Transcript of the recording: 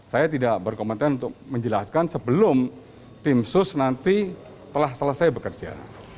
saya tidak berkompetensi untuk menjelaskan sebelum tim sus nanti telah selesai bekerja